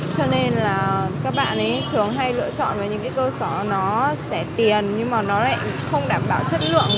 cho nên là các bạn thường hay lựa chọn những cái cơ sở nó sẽ tiền nhưng mà nó lại không đảm bảo chất lượng